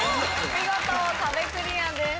見事壁クリアです。